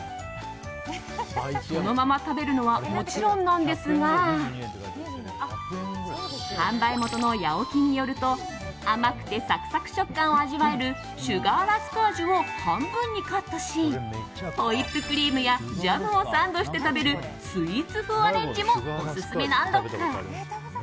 そのまま食べるのはもちろんなんですが販売元の、やおきんによると甘くてサクサク食感を味わえるシュガーラスク味を半分にカットしホイップクリームやジャムをサンドして食べるスイーツ風アレンジもオススメなんだとか。